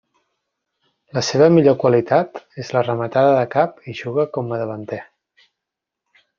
La seva millor qualitat és la rematada de cap i juga com a davanter.